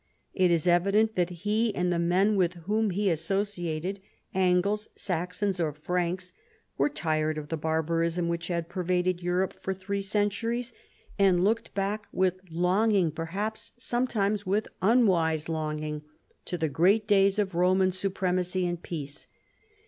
It is evident that he and the men with whom he associated. Angles, Saxons, or Franks, were tired of the barbarism which had pervaded Europe for three centuries, and looked back with 250 CHARLEMAGNE. longing, perhaps sometimes with unwise longing, to the great days of Roman supremacy and peace.